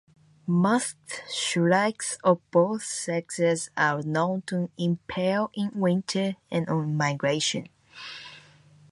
Masked shrikes of both sexes are known to impale in winter and on migration.